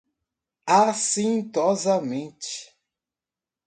acintosamente